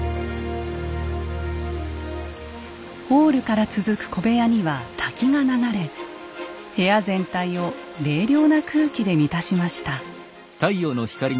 ホールから続く小部屋には滝が流れ部屋全体を冷涼な空気で満たしました。